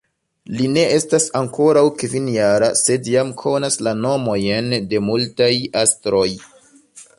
Li ne estas ankoraŭ kvinjara, sed jam konas la nomojn de multaj astroj.